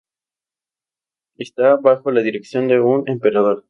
Está bajo la dirección de un emperador.